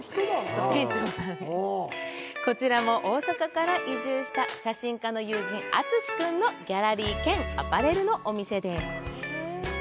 こちらも、大阪から移住した写真家の友人、篤史君のギャラリー兼アパレルのお店です。